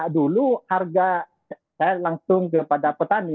dulu harga saya langsung kepada petani